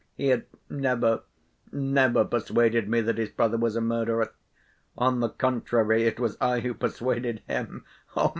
He had never, never persuaded me that his brother was a murderer. On the contrary, it was I who persuaded him!